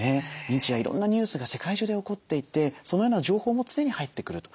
日夜いろんなニュースが世界中で起こっていてそのような情報も常に入ってくる。